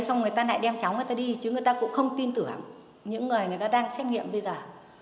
xong người ta lại đem cháu người ta đi chứ người ta cũng không tin tưởng những người người ta đang xét nghiệm bây giờ